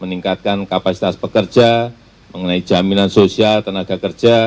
meningkatkan kapasitas pekerja mengenai jaminan sosial tenaga kerja